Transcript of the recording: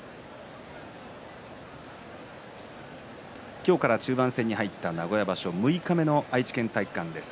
今日から中盤戦に入った名古屋場所六日目の愛知県体育館です。